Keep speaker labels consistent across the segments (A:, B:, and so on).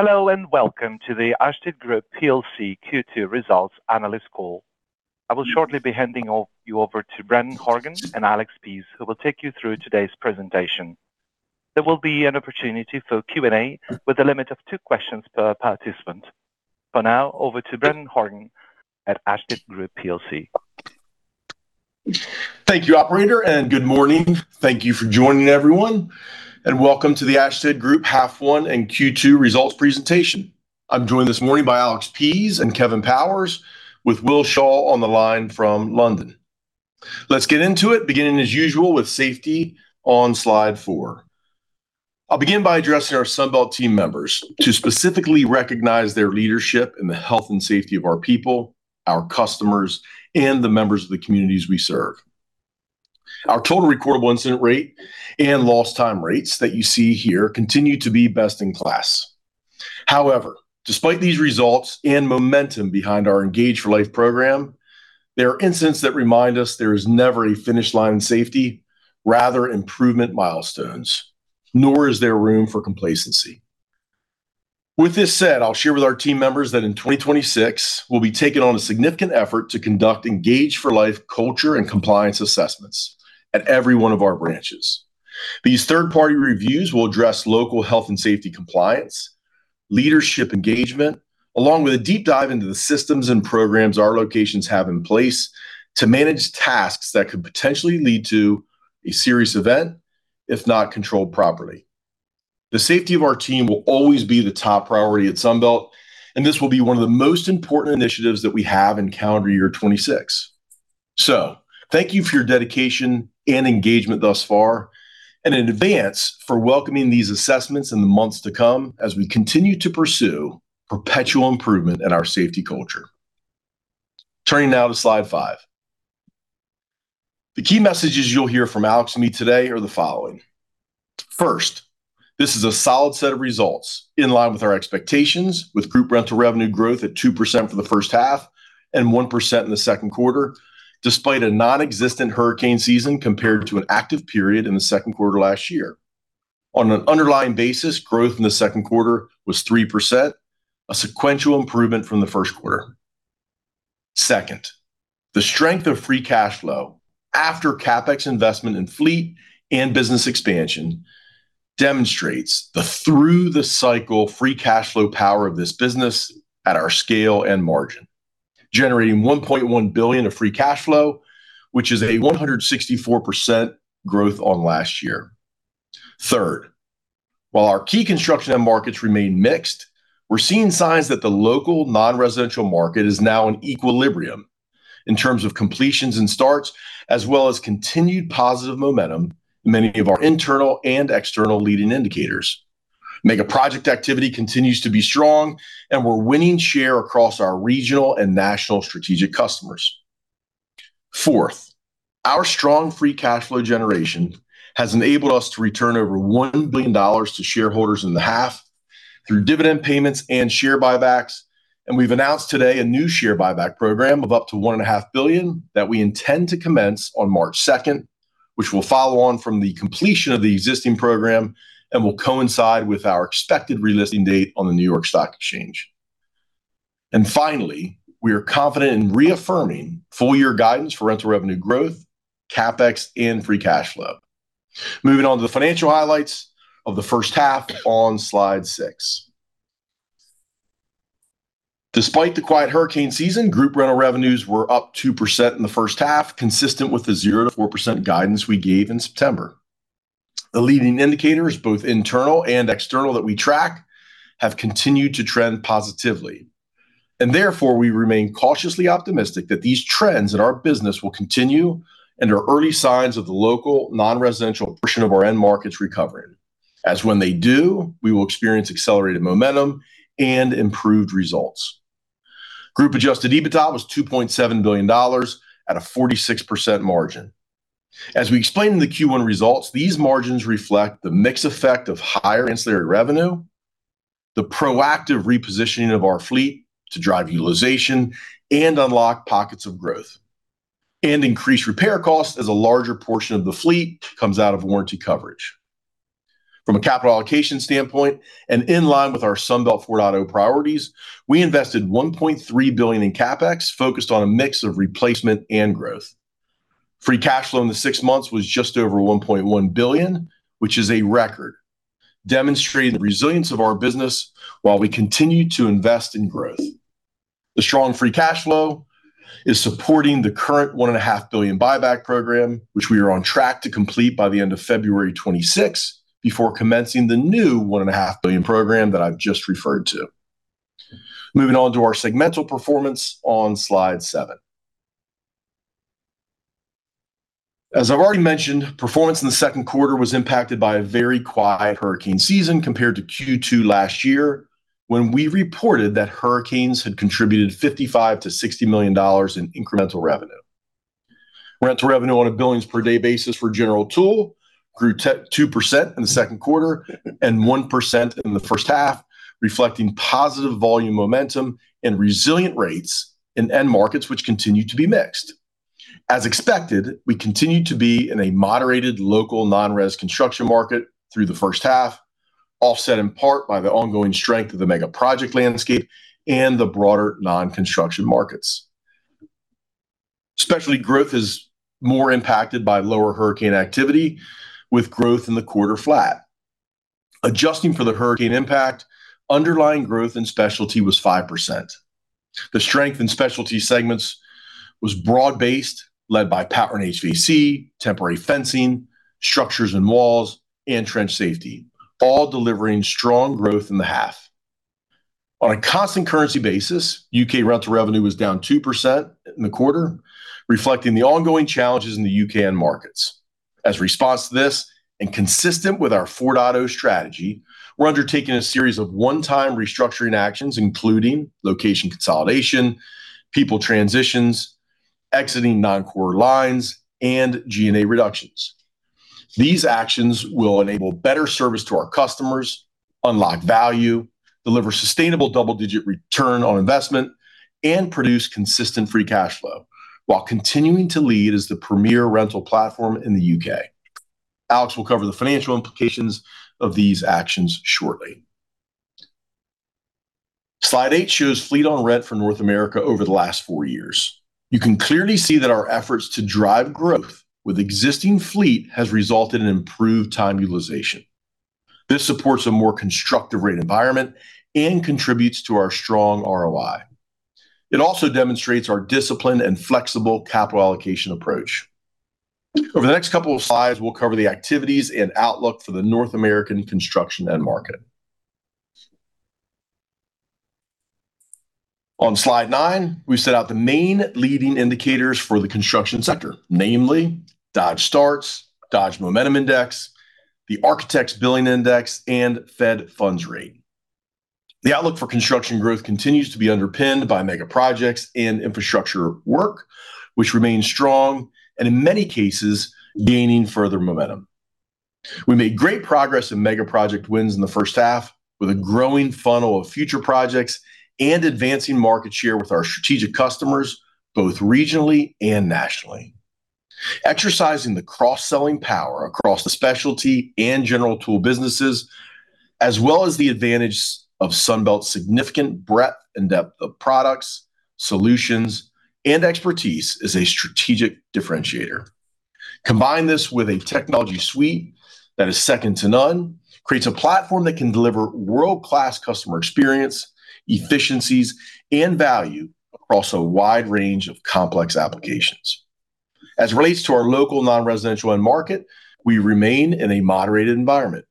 A: Hello and welcome to the Ashtead Group PLC Q2 Results Analyst Call. I will shortly be handing you over to Brendan Horgan and Alex Pease, who will take you through today's presentation. There will be an opportunity for Q&A with a limit of two questions per participant. For now, over to Brendan Horgan at Ashtead Group PLC.
B: Thank you, Operator, and good morning. Thank you for joining, everyone, and welcome to the Ashtead Group Half-One and Q2 Results Presentation. I'm joined this morning by Alex Pease and Kevin Powers, with Will Shaw on the line from London. Let's get into it, beginning as usual with Safety on Slide Four. I'll begin by addressing our Sunbelt team members to specifically recognize their leadership in the health and safety of our people, our customers, and the members of the communities we serve. Our Total Recordable Incident Rate and Lost Time Rates that you see here continue to be best-in-class. However, despite these results and momentum behind our Engage for Life program, there are incidents that remind us there is never a finish line in safety, rather, improvement milestones, nor is there room for complacency. With this said, I'll share with our team members that in 2026, we'll be taking on a significant effort to conduct Engage for Life Culture and Compliance Assessments at every one of our branches. These third-party reviews will address local health and safety compliance, leadership engagement, along with a deep dive into the systems and programs our locations have in place to manage tasks that could potentially lead to a serious event if not controlled properly. The safety of our team will always be the top priority at Sunbelt, and this will be one of the most important initiatives that we have in calendar year 2026. So thank you for your dedication and engagement thus far, and in advance for welcoming these assessments in the months to come as we continue to pursue perpetual improvement in our safety culture. Turning now to Slide Five. The key messages you'll hear from Alex and me today are the following. First, this is a solid set of results in line with our expectations, with Group rental revenue growth at 2% for the first half and 1% in the second quarter, despite a non-existent hurricane season compared to an active period in the second quarter last year. On an underlying basis, growth in the second quarter was 3%, a sequential improvement from the first quarter. Second, the strength of Free Cash Flow after CapEx investment in fleet and business expansion demonstrates the through-the-cycle free-cash-flow power of this business at our scale and margin, generating $1.1 billion of Free Cash Flow, which is a 164% growth on last year. Third, while our key construction and markets remain mixed, we're seeing signs that the local non-residential market is now in equilibrium in terms of completions and starts, as well as continued positive momentum in many of our internal and external leading indicators. megaproject activity continues to be strong, and we're winning share across our regional and national strategic customers. Fourth, our strong Free Cash Flow generation has enabled us to return over $1 billion to shareholders in the half through dividend payments and share buybacks, and we've announced today a new share buyback program of up to $1.5 billion that we intend to commence on March 2nd, which will follow on from the completion of the existing program and will coincide with our expected relisting date on the New York Stock Exchange. And finally, we are confident in reaffirming full-year guidance for rental revenue growth, CapEx, and Free Cash Flow. Moving on to the financial highlights of the first half Slide Six. Despite the quiet hurricane season, Group Rental Revenues were up 2% in the first half, consistent with the 0%-4% guidance we gave in September. The leading indicators, both internal and external that we track, have continued to trend positively, and therefore we remain cautiously optimistic that these trends in our business will continue and are early signs of the local non-residential portion of our end-markets recovering. As when they do, we will experience accelerated momentum and improved results. Group Adjusted EBITDA was $2.7 billion at a 46% margin. As we explained in the Q1 results, these margins reflect the mixed effect of higher ancillary revenue, the proactive repositioning of our fleet to drive utilization and unlock pockets of growth, and increased repair costs as a larger portion of the fleet comes out of warranty coverage. From a capital-allocation standpoint, and in line with our Sunbelt 4.0 priorities, we invested $1.3 billion in CapEx focused on a mix of replacement and growth. Free Cash Flow in the six months was just over $1.1 billion, which is a record, demonstrating the resilience of our business while we continue to invest in growth. The strong free cash flow is supporting the current $1.5 billion buyback program, which we are on track to complete by the end of February 2026 before commencing the new $1.5 billion program that I've just referred to. Moving on to our Segmental Performance on Slide Seven. As I've already mentioned, performance in the second quarter was impacted by a very quiet hurricane season compared to Q2 last year when we reported that hurricanes had contributed $55-$60 million in incremental revenue. Rental revenue on a billings per day basis for General Tool grew 2% in the second quarter and 1% in the first half, reflecting positive volume momentum and resilient rates in end markets, which continue to be mixed. As expected, we continue to be in a moderated local non-res construction market through the first half, offset in part by the ongoing strength of the megaproject landscape and the broader non-construction markets. Specialty growth is more impacted by lower hurricane activity, with growth in the quarter flat. Adjusting for the hurricane impact, underlying growth in Specialty was 5%. The strength in Specialty segments was broad-based, led by Power & HVAC, Temporary Fencing, Structures & Walls, and Trench Safety, all delivering strong growth in the half. On a constant currency basis, U.K. rental revenue was down 2% in the quarter, reflecting the ongoing challenges in the U.K. and markets. As a response to this, and consistent with our 4.0 strategy, we're undertaking a series of one-time restructuring actions, including location consolidation, people transitions, exiting non-core lines, and G&A reductions. These actions will enable better service to our customers, unlock value, deliver sustainable double-digit return on investment, and produce consistent free cash flow while continuing to lead as the premier rental platform in the U.K. Alex will cover the financial implications of these actions shortly. Slide eight shows fleet on rent for North America over the last four years. You can clearly see that our efforts to drive growth with existing fleet have resulted in improved time utilization. This supports a more constructive rate environment and contributes to our strong ROI. It also demonstrates our disciplined and flexible capital allocation approach. Over the next couple of slides, we'll cover the activities and outlook for the North American construction end market. On slide nine, we set out the main leading indicators for the construction sector, namely Dodge starts, Dodge Momentum Index, the Architecture Billings Index, and Fed funds rate. The outlook for construction growth continues to be underpinned by megaprojects and infrastructure work, which remains strong and, in many cases, gaining further momentum. We made great progress in megaproject wins in the first half with a growing funnel of future projects and advancing market share with our strategic customers both regionally and nationally. Exercising the cross-selling power across the Specialty and General Tool businesses, as well as the advantage of Sunbelt's significant breadth and depth of products, solutions, and expertise is a strategic differentiator. Combine this with a technology suite that is second to none creates a platform that can deliver world-class customer experience, efficiencies, and value across a wide range of complex applications. As it relates to our local non-residential end market, we remain in a moderated environment.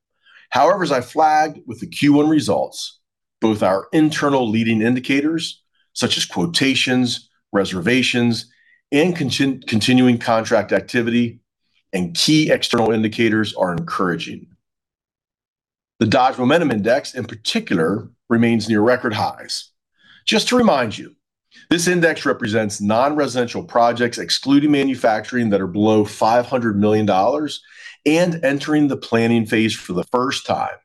B: However, as I flagged with the Q1 results, both our internal leading indicators, such as quotations, reservations, and continuing contract activity, and key external indicators are encouraging. The Dodge Momentum Index, in particular, remains near record highs. Just to remind you, this index represents non-residential projects excluding manufacturing that are below $500 million and entering the planning phase for the first time,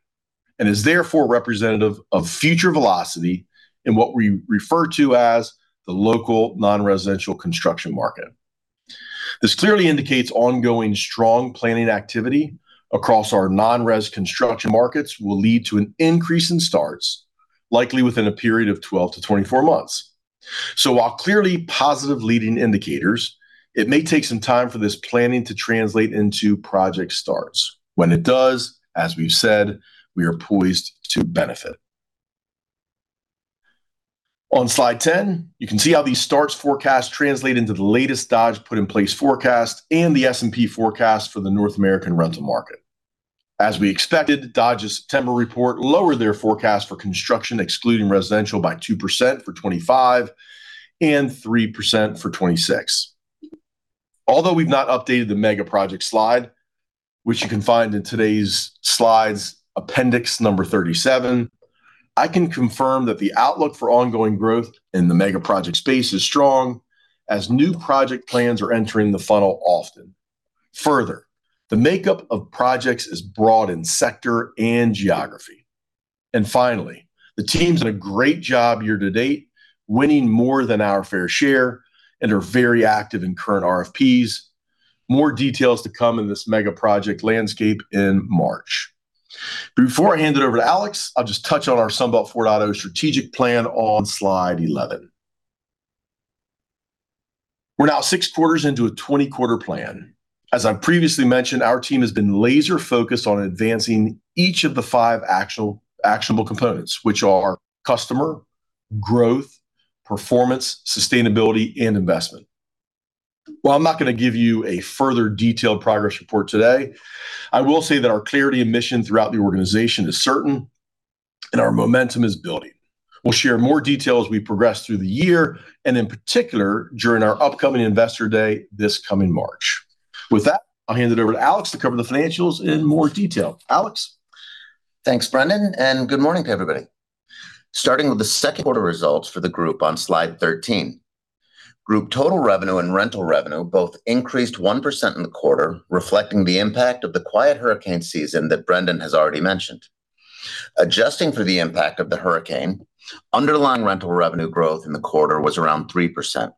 B: and is therefore representative of future velocity in what we refer to as the local non-residential construction market. This clearly indicates ongoing strong planning activity across our non-res construction markets will lead to an increase in starts, likely within a period of 12 to 24 months, so while clearly positive leading indicators, it may take some time for this planning to translate into project starts. When it does, as we've said, we are poised to benefit. On slide 10, you can see how these starts forecasts translate into the latest Dodge put-in-place forecast and the S&P forecast for the North American rental market. As we expected, Dodge's September report lowered their forecast for construction, excluding residential, by 2% for 2025 and 3% for 2026. Although we've not updated the megaproject slide, which you can find in today's slides, appendix number 37, I can confirm that the outlook for ongoing growth in the megaproject space is strong as new project plans are entering the funnel often. Further, the makeup of projects is broad in sector and geography. And finally, the team's done a great job year to date, winning more than our fair share and are very active in current RFPs. More details to come in this megaproject landscape in March. Before I hand it over to Alex, I'll just touch on our Sunbelt 4.0 strategic plan on slide 11. We're now six quarters into a 20-quarter plan. As I've previously mentioned, our team has been laser-focused on advancing each of the five actionable components, which are customer, growth, performance, sustainability, and investment. While I'm not going to give you a further detailed progress report today, I will say that our clarity of mission throughout the organization is certain, and our momentum is building. We'll share more detail as we progress through the year and in particular during our upcoming Investor Day this coming March. With that, I'll hand it over to Alex to cover the financials in more detail. Alex?
C: Thanks, Brendan, and good morning to everybody. Starting with the second quarter results for the group on slide 13. Group total revenue and rental revenue both increased 1% in the quarter, reflecting the impact of the quiet hurricane season that Brendan has already mentioned. Adjusting for the impact of the hurricane, underlying rental revenue growth in the quarter was around 3%.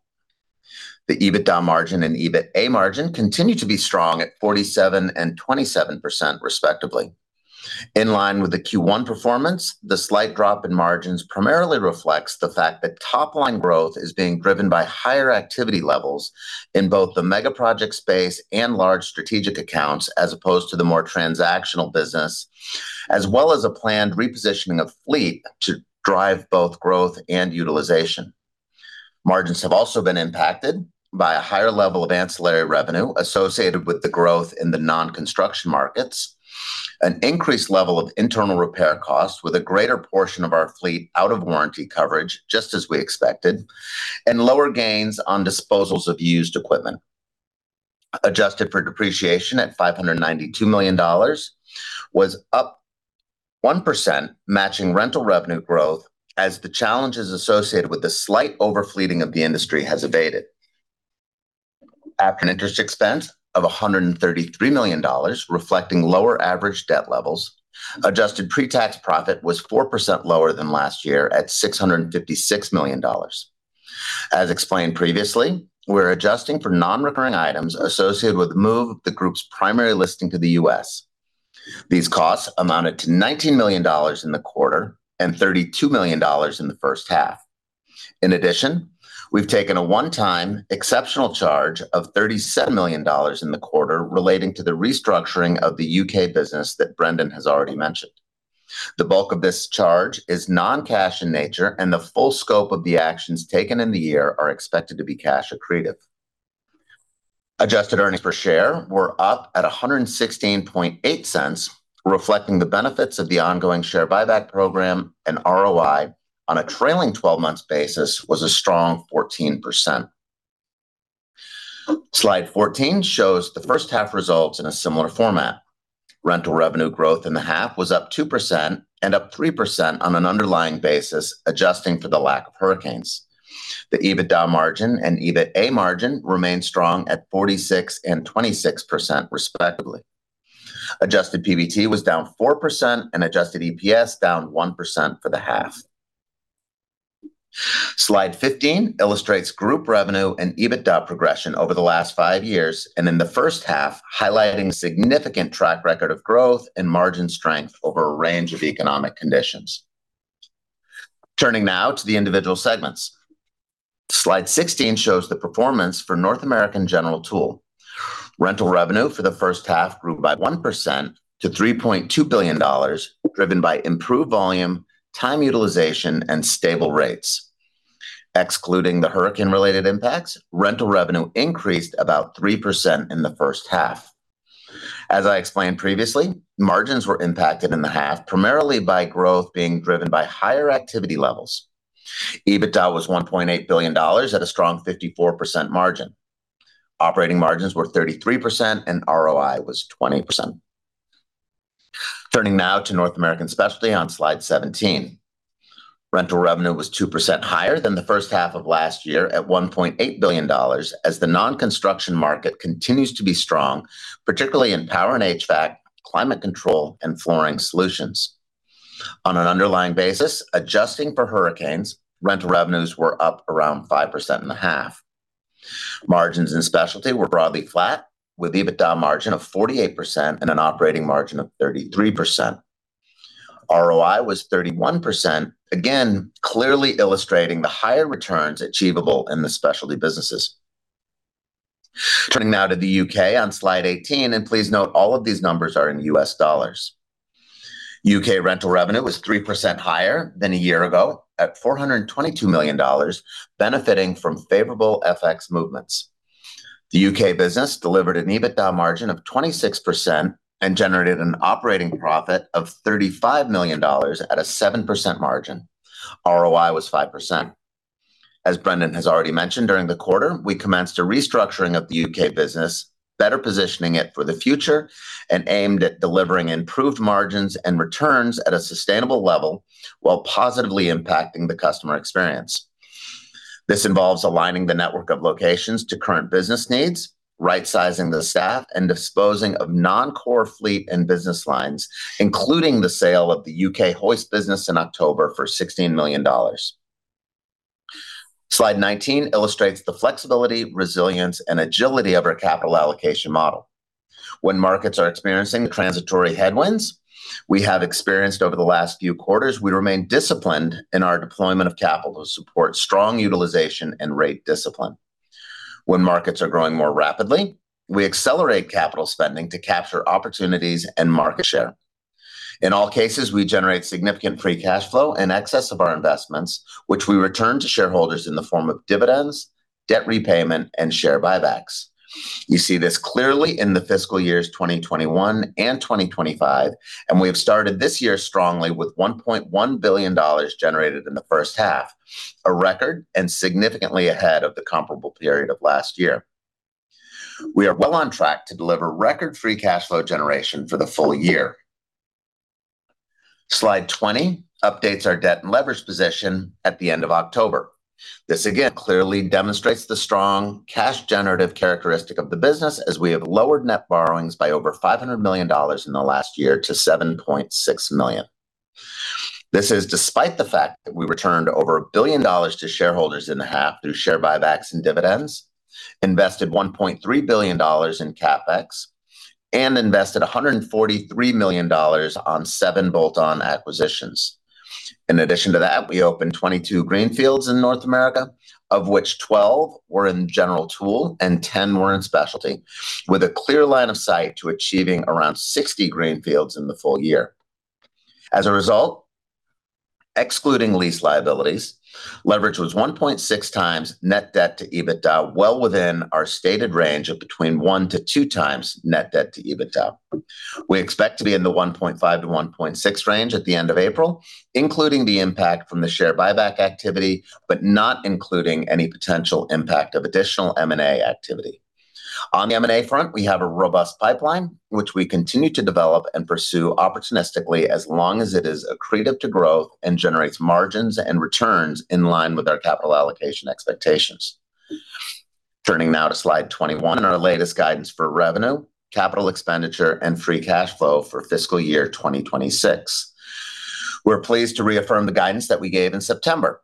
C: The EBITDA margin and EBITA margin continue to be strong at 47% and 27%, respectively. In line with the Q1 performance, the slight drop in margins primarily reflects the fact that top-line growth is being driven by higher activity levels in both the megaproject space and large strategic accounts, as opposed to the more transactional business, as well as a planned repositioning of fleet to drive both growth and utilization. Margins have also been impacted by a higher level of ancillary revenue associated with the growth in the non-construction markets, an increased level of internal repair costs with a greater portion of our fleet out of warranty coverage, just as we expected, and lower gains on disposals of used equipment. Adjusted EBITDA at $592 million was up 1%, matching rental revenue growth as the challenges associated with the slight overfleeting of the industry have abated. After an interest expense of $133 million, reflecting lower average debt levels, adjusted pre-tax profit was 4% lower than last year at $656 million. As explained previously, we're adjusting for non-recurring items associated with the move of the group's primary listing to the U.S. These costs amounted to $19 million in the quarter and $32 million in the first half. In addition, we've taken a one-time exceptional charge of $37 million in the quarter relating to the restructuring of the U.K. business that Brendan has already mentioned. The bulk of this charge is non-cash in nature, and the full scope of the actions taken in the year are expected to be cash accretive. Adjusted earnings per share were up at $1.168, reflecting the benefits of the ongoing share buyback program and ROI on a trailing 12-month basis was a strong 14%. Slide 14 shows the first half results in a similar format. Rental revenue growth in the half was up 2% and up 3% on an underlying basis, adjusting for the lack of hurricanes. The EBITDA margin and EBITA margin remained strong at 46% and 26%, respectively. Adjusted PBT was down 4% and adjusted EPS down 1% for the half. Slide 15 illustrates group revenue and EBITDA progression over the last five years and in the first half, highlighting a significant track record of growth and margin strength over a range of economic conditions. Turning now to the individual segments, slide 16 shows the performance for North American General Tool. Rental revenue for the first half grew by 1% to $3.2 billion, driven by improved volume, time utilization, and stable rates. Excluding the hurricane-related impacts, rental revenue increased about 3% in the first half. As I explained previously, margins were impacted in the half primarily by growth being driven by higher activity levels. EBITDA was $1.8 billion at a strong 54% margin. Operating margins were 33% and ROI was 20%. Turning now to North American Specialty on slide 17, rental revenue was 2% higher than the first half of last year at $1.8 billion as the non-construction market continues to be strong, particularly in power and HVAC, Climate Control, and Flooring Solutions. On an underlying basis, adjusting for hurricanes, rental revenues were up around 5% in the half. Margins in Specialty were broadly flat, with EBITDA margin of 48% and an operating margin of 33%. ROI was 31%, again clearly illustrating the higher returns achievable in the Specialty businesses. Turning now to the U.K. on slide 18, and please note all of these numbers are in U.S. dollars. U.K. rental revenue was 3% higher than a year ago at $422 million, benefiting from favorable FX movements. The U.K. business delivered an EBITDA margin of 26% and generated an operating profit of $35 million at a 7% margin. ROI was 5%. As Brendan has already mentioned, during the quarter, we commenced a restructuring of the U.K. business, better positioning it for the future, and aimed at delivering improved margins and returns at a sustainable level while positively impacting the customer experience. This involves aligning the network of locations to current business needs, right-sizing the staff, and disposing of non-core fleet and business lines, including the sale of the U.K. hoist business in October for $16 million. Slide 19 illustrates the flexibility, resilience, and agility of our capital allocation model. When markets are experiencing transitory headwinds, we have experienced over the last few quarters, we remain disciplined in our deployment of capital to support strong utilization and rate discipline. When markets are growing more rapidly, we accelerate capital spending to capture opportunities and market share. In all cases, we generate significant free cash flow in excess of our investments, which we return to shareholders in the form of dividends, debt repayment, and share buybacks. You see this clearly in the fiscal years 2021 and 2025, and we have started this year strongly with $1.1 billion generated in the first half, a record and significantly ahead of the comparable period of last year. We are well on track to deliver record free cash flow generation for the full year. Slide 20 updates our debt and leverage position at the end of October. This again clearly demonstrates the strong cash-generative characteristic of the business as we have lowered net borrowings by over $500 million in the last year to $7.6 billion. This is despite the fact that we returned over a billion dollars to shareholders in the half through share buybacks and dividends, invested $1.3 billion in CapEx, and invested $143 million on seven bolt-on acquisitions. In addition to that, we opened 22 greenfields in North America, of which 12 were in General Tool and 10 were in Specialty, with a clear line of sight to achieving around 60 greenfields in the full year. As a result, excluding lease liabilities, leverage was 1.6 times net debt to EBITDA, well within our stated range of between 1 to 2 times net debt to EBITDA. We expect to be in the 1.5 to 1.6 range at the end of April, including the impact from the share buyback activity, but not including any potential impact of additional M&A activity. On the M&A front, we have a robust pipeline, which we continue to develop and pursue opportunistically as long as it is accretive to growth and generates margins and returns in line with our capital allocation expectations. Turning now to slide 21 and our latest guidance for revenue, capital expenditure, and free cash flow for fiscal year 2026. We're pleased to reaffirm the guidance that we gave in September.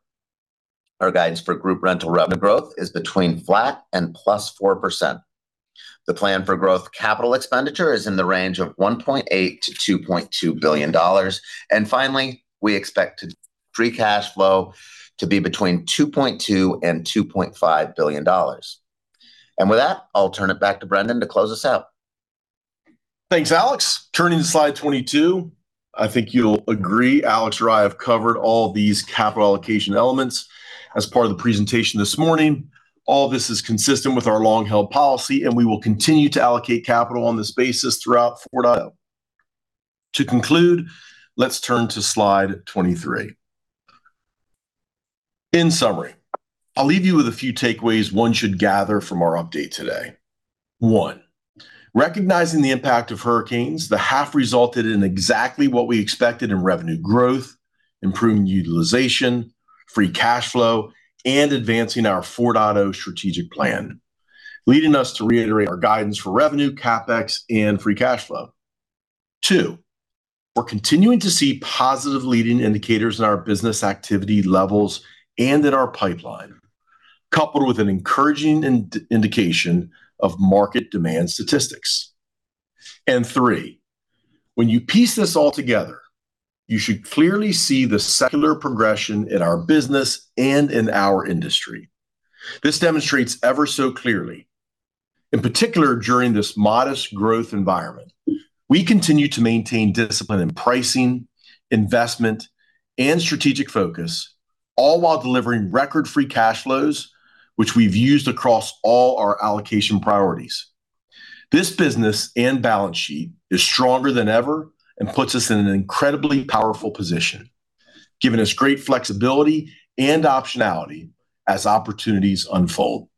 C: Our guidance for Group rental revenue growth is between flat and plus 4%. The plan for growth capital expenditure is in the range of $1.8-$2.2 billion. And finally, we expect free cash flow to be between $2.2 and $2.5 billion. And with that, I'll turn it back to Brendan to close us out.
B: Thanks, Alex. Turning to slide 22, I think you'll agree, Alex, that I have covered all these capital allocation elements as part of the presentation this morning. All this is consistent with our long-held policy, and we will continue to allocate capital on this basis throughout 4.0. To conclude, let's turn to slide 23. In summary, I'll leave you with a few takeaways one should gather from our update today. One, recognizing the impact of hurricanes, the half resulted in exactly what we expected in revenue growth, improving utilization, free cash flow, and advancing our 4.0 strategic plan, leading us to reiterate our guidance for revenue, CapEx, and free cash flow. Two, we're continuing to see positive leading indicators in our business activity levels and in our pipeline, coupled with an encouraging indication of market demand statistics. And three, when you piece this all together, you should clearly see the secular progression in our business and in our industry. This demonstrates ever so clearly, in particular during this modest growth environment, we continue to maintain discipline in pricing, investment, and strategic focus, all while delivering record free cash flows, which we've used across all our allocation priorities. This business and balance sheet is stronger than ever and puts us in an incredibly powerful position, giving us great flexibility and optionality as opportunities unfold.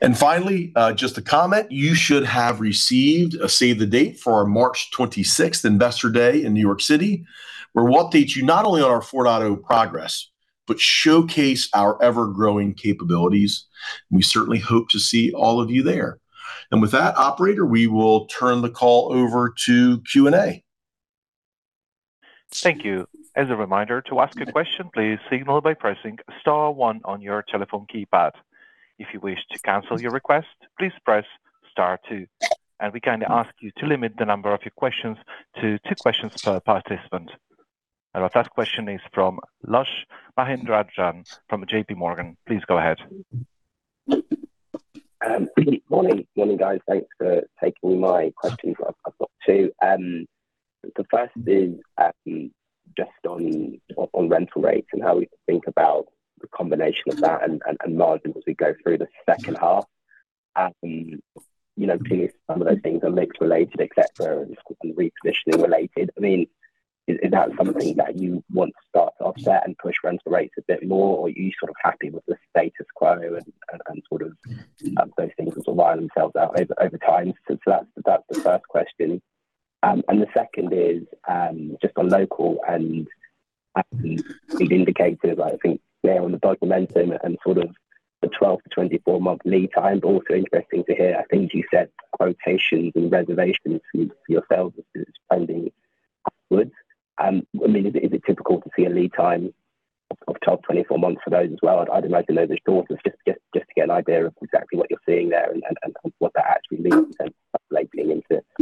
B: And finally, just a comment, you should have received a save the date for our March 26th Investor Day in New York City, where we'll update you not only on our 4.0 progress, but showcase our ever-growing capabilities. We certainly hope to see all of you there. And with that, operator, we will turn the call over to Q&A. Thank you.
A: As a reminder, to ask a question, please signal by pressing Star 1 on your telephone keypad. If you wish to cancel your request, please press Star 2. And we kindly ask you to limit the number of your questions to two questions per participant. Our first question is from Lushanthan Mahendrarajah from J.P. Morgan. Please go ahead.
D: Morning, guys. Thanks for taking my questions. I've got two. The first is just on rental rates and how we think about the combination of that and margins as we go through the second half. Clearly, some of those things are mixed related, etc., and repositioning related. I mean, is that something that you want to start to offset and push rental rates a bit more, or are you sort of happy with the status quo and sort of those things will sort of iron themselves out over time? So that's the first question. And the second is just on leading indicators, I think they're on the Dodge Momentum and sort of the 12- to 24-month lead time, but also interesting to hear, I think you said quotations and reservations for yourselves is trending upwards. I mean, is it typical to see a lead time of 12- to 24 months for those as well? I'd imagine those are short, but just to get an idea of exactly what you're seeing there and what that actually means in terms of translating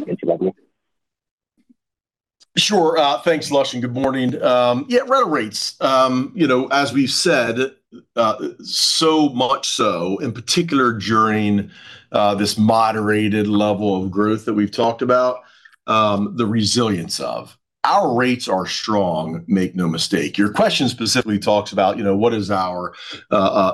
D: into revenue.
B: Sure. Thanks, Lushanthan. And good morning. Yeah, rental rates, as we've said, so much so, in particular during this moderated level of growth that we've talked about, the resilience of. Our rates are strong, make no mistake. Your question specifically talks about what is our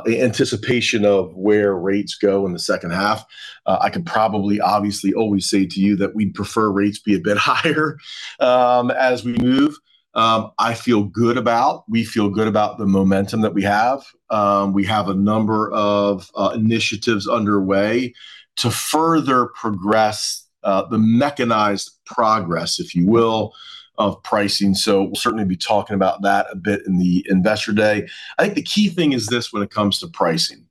B: anticipation of where rates go in the second half. I could probably obviously always say to you that we'd prefer rates be a bit higher as we move. We feel good about the momentum that we have. We have a number of initiatives underway to further progress the mechanized progress, if you will, of pricing. So we'll certainly be talking about that a bit in the Investor Day. I think the key thing is this when it comes to pricing.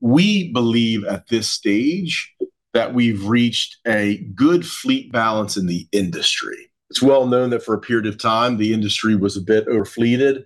B: We believe at this stage that we've reached a good fleet balance in the industry. It's well known that for a period of time, the industry was a bit overfleeted.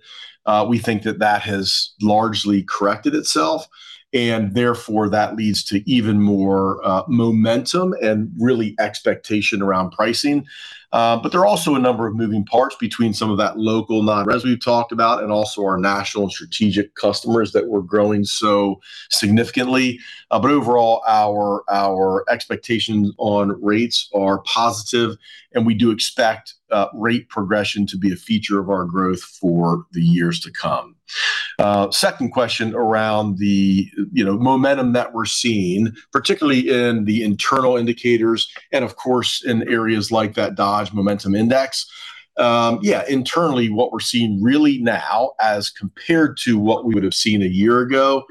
B: We think that that has largely corrected itself, and therefore that leads to even more momentum and really expectation around pricing. But there are also a number of moving parts between some of that local, not as we've talked about, and also our national strategic customers that we're growing so significantly. But overall, our expectations on rates are positive, and we do expect rate progression to be a feature of our growth for the years to come. Second question around the momentum that we're seeing, particularly in the internal indicators and, of course, in areas like that Dodge Momentum Index. Yeah, internally, what we're seeing really now, as compared to what we would have seen a year ago,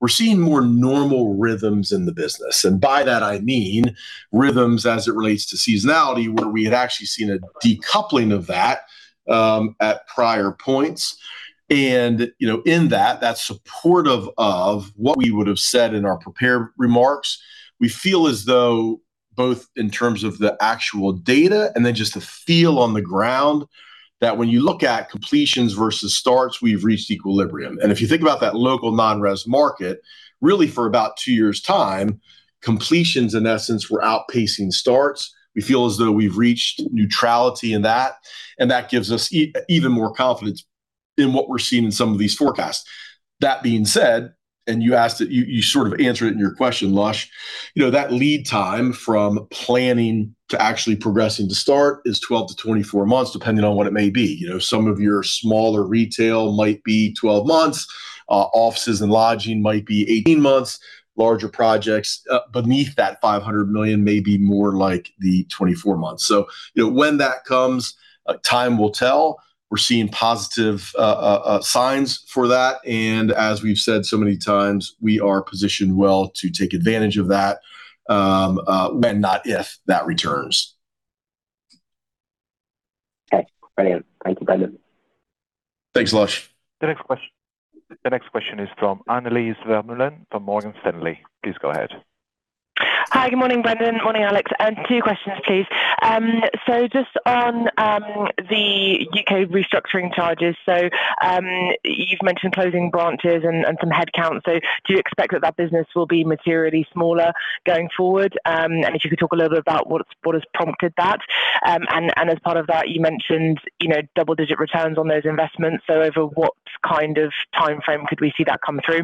B: we're seeing more normal rhythms in the business. And by that, I mean rhythms as it relates to seasonality, where we had actually seen a decoupling of that at prior points. And in that, that's supportive of what we would have said in our prepared remarks. We feel as though, both in terms of the actual data and then just the feel on the ground, that when you look at completions versus starts, we've reached equilibrium, and if you think about that local non-res market, really for about two years' time, completions in essence were outpacing starts. We feel as though we've reached neutrality in that, and that gives us even more confidence in what we're seeing in some of these forecasts. That being said, and you asked it, you sort of answered it in your question, Lushanthan, that lead time from planning to actually progressing to start is 12-24 months, depending on what it may be. Some of your smaller retail might be 12 months, offices and lodging might be 18 months, larger projects beneath that $500 million may be more like the 24 months, so when that comes, time will tell. We're seeing positive signs for that. And as we've said so many times, we are positioned well to take advantage of that when, not if, that returns.
D: Okay. Brilliant. Thank you, Brendan.
B: Thanks, Lushanthan.
A: The next question is from Annelies Vermeulen from Morgan Stanley. Please go ahead.
E: Hi, good morning, Brendan. Morning, Alex. And two questions, please. So just on the U.K. restructuring charges, so you've mentioned closing branches and some headcounts. So do you expect that business will be materially smaller going forward? And if you could talk a little bit about what has prompted that. And as part of that, you mentioned double-digit returns on those investments. So over what kind of timeframe could we see that come through?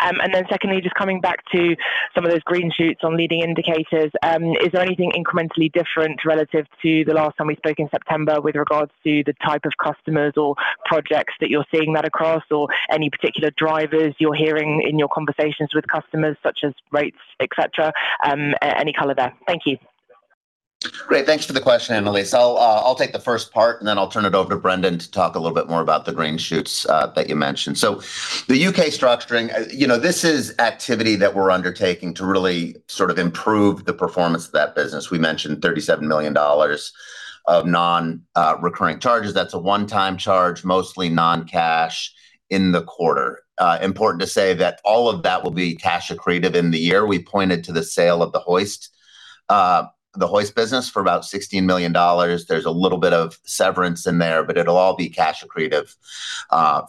E: And then secondly, just coming back to some of those green shoots on leading indicators, is there anything incrementally different relative to the last time we spoke in September with regards to the type of customers or projects that you're seeing that across or any particular drivers you're hearing in your conversations with customers, such as rates, etc.? Any color there? Thank you.
C: Great. Thanks for the question, Annelies. I'll take the first part, and then I'll turn it over to Brendan to talk a little bit more about the green shoots that you mentioned. So the U.K. restructuring, this is activity that we're undertaking to really sort of improve the performance of that business. We mentioned $37 million of non-recurring charges. That's a one-time charge, mostly non-cash in the quarter. Important to say that all of that will be cash accretive in the year. We pointed to the sale of the hoist, the hoist business for about $16 million. There's a little bit of severance in there, but it'll all be cash accretive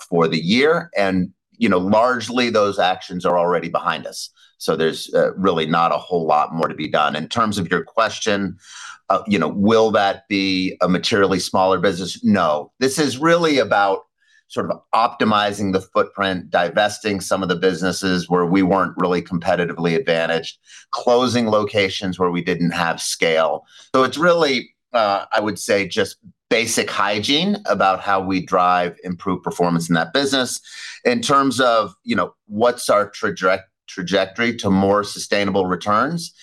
C: for the year, and largely, those actions are already behind us. So there's really not a whole lot more to be done. In terms of your question, will that be a materially smaller business? No. This is really about sort of optimizing the footprint, divesting some of the businesses where we weren't really competitively advantaged, closing locations where we didn't have scale, so it's really, I would say, just basic hygiene about how we drive improved performance in that business. In terms of what's our trajectory to more sustainable returns,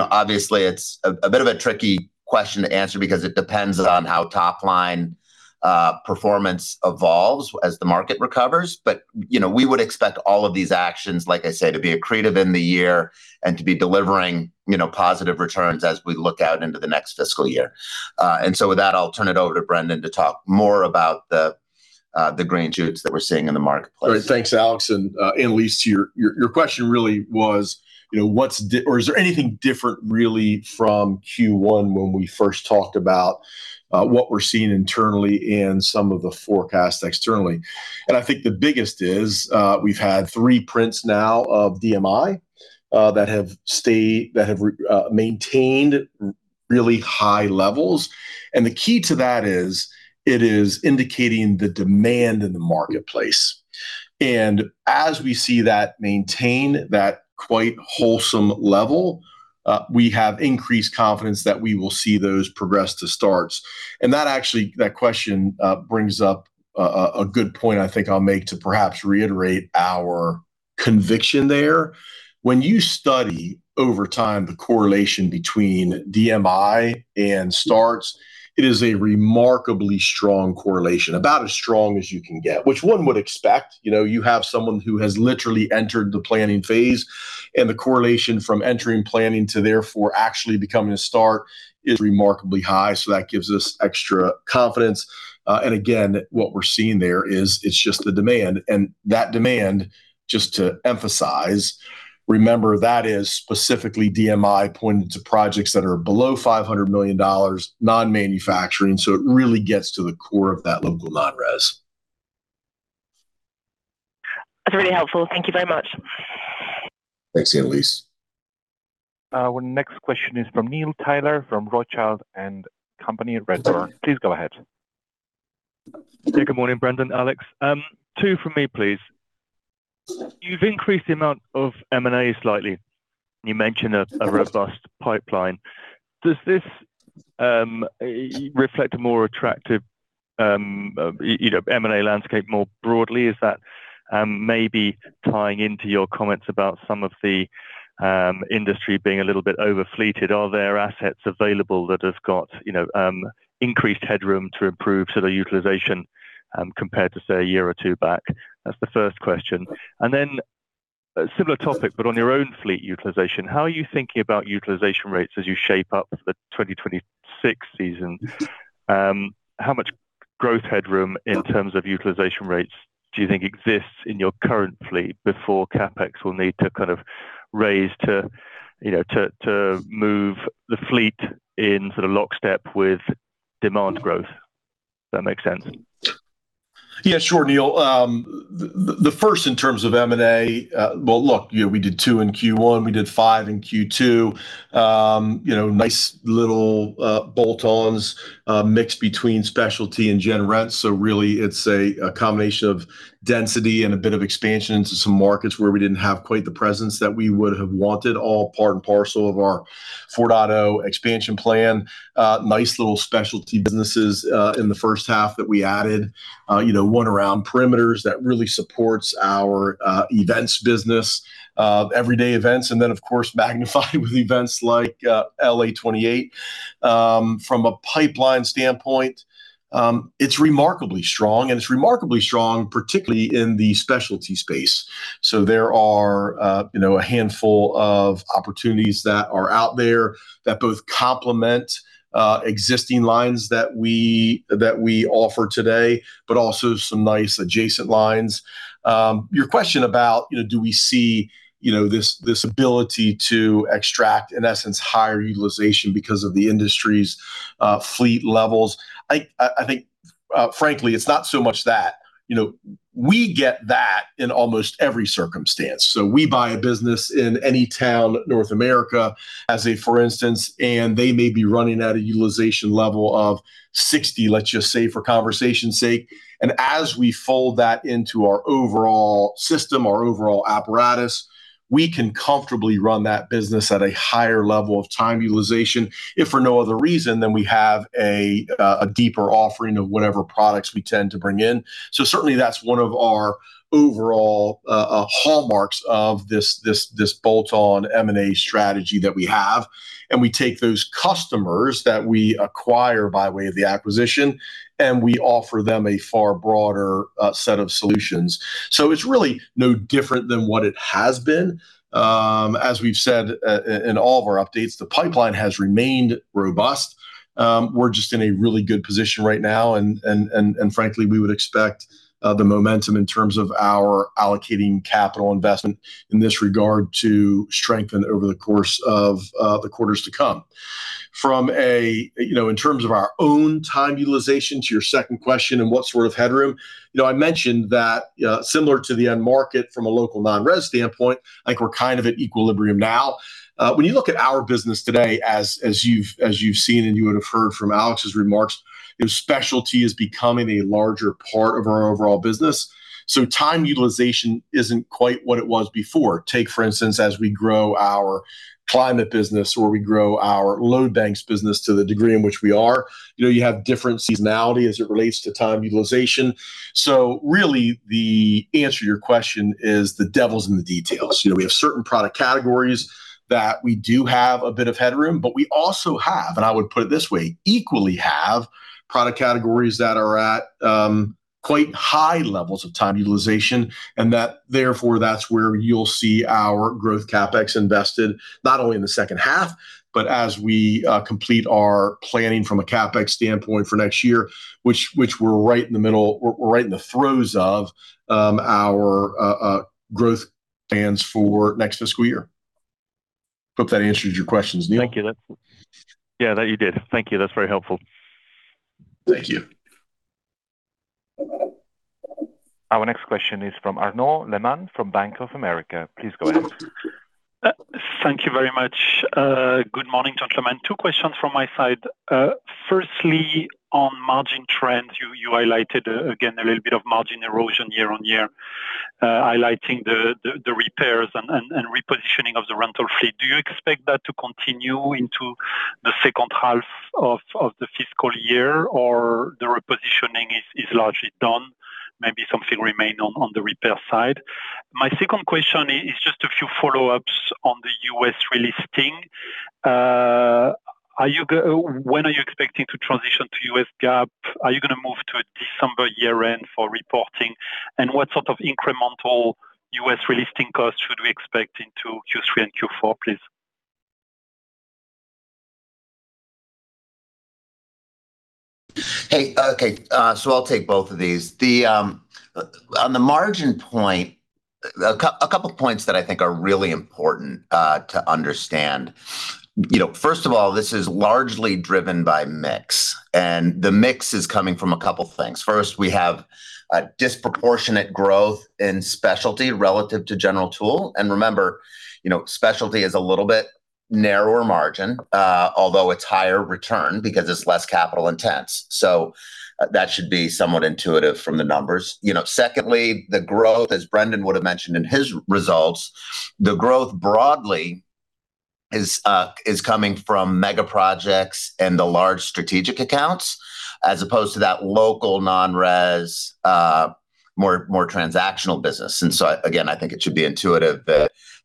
C: obviously, it's a bit of a tricky question to answer because it depends on how top-line performance evolves as the market recovers. But we would expect all of these actions, like I say, to be accretive in the year and to be delivering positive returns as we look out into the next fiscal year. And so with that, I'll turn it over to Brendan to talk more about the green shoots that we're seeing in the marketplace.
B: Great. Thanks, Alex. And Annelies, your question really was, or is there anything different really from Q1 when we first talked about what we're seeing internally and some of the forecasts externally? And I think the biggest is we've had three prints now of DMI that have maintained really high levels. And the key to that is it is indicating the demand in the marketplace. And as we see that maintain that quite wholesome level, we have increased confidence that we will see those progress to starts. And that actually, that question brings up a good point I think I'll make to perhaps reiterate our conviction there. When you study over time the correlation between DMI and starts, it is a remarkably strong correlation, about as strong as you can get, which one would expect. You have someone who has literally entered the planning phase, and the correlation from entering planning to therefore actually becoming a start is remarkably high. So that gives us extra confidence. And again, what we're seeing there is it's just the demand. And that demand, just to emphasize, remember that is specifically DMI pointed to projects that are below $500 million, non-manufacturing. So it really gets to the core of that local non-res.
E: That's really helpful. Thank you very much.
C: Thanks, Annelies.
A: Our next question is from Neil Tyler from Rothschild and Company at Redburn. Please go ahead.
F: Yeah, good morning, Brendan, Alex. Two from me, please. You've increased the amount of M&A slightly. You mentioned a robust pipeline. Does this reflect a more attractive M&A landscape more broadly? Is that maybe tying into your comments about some of the industry being a little bit overfleeted? Are there assets available that have got increased headroom to improve sort of utilization compared to, say, a year or two back? That's the first question. And then a similar topic, but on your own fleet utilization, how are you thinking about utilization rates as you shape up for the 2026 season? How much growth headroom in terms of utilization rates do you think exists in your current fleet before CapEx will need to kind of raise to move the fleet in sort of lockstep with demand growth? Does that make sense?
B: Yeah, sure, Neil. The first, in terms of M&A, well, look, we did two in Q1. We did five in Q2. Nice little bolt-ons mixed between Specialty and Gen Rent. So really, it's a combination of density and a bit of expansion into some markets where we didn't have quite the presence that we would have wanted, all part and parcel of our 4.0 expansion plan. Nice little Specialty businesses in the first half that we added, one around perimeters that really supports our events business, everyday events, and then, of course, magnified with events like LA28. From a pipeline standpoint, it's remarkably strong, and it's remarkably strong, particularly in the Specialty space. So there are a handful of opportunities that are out there that both complement existing lines that we offer today, but also some nice adjacent lines. Your question about do we see this ability to extract, in essence, higher utilization because of the industry's fleet levels? I think, frankly, it's not so much that. We get that in almost every circumstance, so we buy a business in any town in North America, as, for instance, and they may be running at a utilization level of 60, let's just say, for conversation's sake, and as we fold that into our overall system, our overall apparatus, we can comfortably run that business at a higher level of time utilization if for no other reason than we have a deeper offering of whatever products we tend to bring in, so certainly, that's one of our overall hallmarks of this bolt-on M&A strategy that we have, and we take those customers that we acquire by way of the acquisition, and we offer them a far broader set of solutions. It's really no different than what it has been. As we've said in all of our updates, the pipeline has remained robust. We're just in a really good position right now. And frankly, we would expect the momentum in terms of our allocating capital investment in this regard to strengthen over the course of the quarters to come. From a, in terms of our own time utilization to your second question and what sort of headroom, I mentioned that similar to the end market from a local non-res standpoint, I think we're kind of at equilibrium now. When you look at our business today, as you've seen and you would have heard from Alex's remarks, Specialty is becoming a larger part of our overall business. So time utilization isn't quite what it was before. Take, for instance, as we grow our climate business or we grow our load banks business to the degree in which we are. You have different seasonality as it relates to time utilization. So really, the answer to your question is the devil's in the details. We have certain product categories that we do have a bit of headroom, but we also have, and I would put it this way, equally have product categories that are at quite high levels of time utilization, and that therefore, that's where you'll see our growth CapEx invested, not only in the second half, but as we complete our planning from a CapEx standpoint for next year, which we're right in the middle. We're right in the throes of our growth plans for next fiscal year. Hope that answers your questions, Neil.
F: Thank you. Yeah, that you did. Thank you. That's very helpful.
B: Thank you.
A: Our next question is from Arnaud Lehmann from Bank of America. Please go ahead.
G: Thank you very much. Good morning, gentlemen. Two questions from my side. Firstly, on margin trends, you highlighted again a little bit of margin erosion year on year, highlighting the repairs and repositioning of the rental fleet. Do you expect that to continue into the second half of the fiscal year, or the repositioning is largely done? Maybe something remained on the repair side. My second question is just a few follow-ups on the U.S. listing. When are you expecting to transition to U.S. GAAP? Are you going to move to a December year-end for reporting? And what sort of incremental U.S. listing costs should we expect into Q3 and Q4, please?
C: Hey, okay. So I'll take both of these. On the margin point, a couple of points that I think are really important to understand. First of all, this is largely driven by mix, and the mix is coming from a couple of things. First, we have disproportionate growth in Specialty relative to General Tool, and remember, Specialty is a little bit narrower margin, although it's higher return because it's less capital intense, so that should be somewhat intuitive from the numbers. Secondly, the growth, as Brendan would have mentioned in his results, the growth broadly is coming from megaprojects and the large strategic accounts as opposed to that local non-res, more transactional business, and so again, I think it should be intuitive